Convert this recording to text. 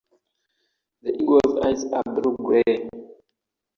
The eagle's eyes are blue-gray.